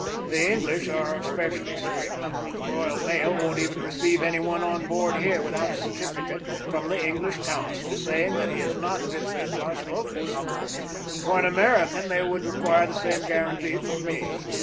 The English are especially strict. The Royal Mail won't even receive any one on board here without a certificate from the English consul saying he has not visited Las Bocas. For an American they would require the same guarantee from me.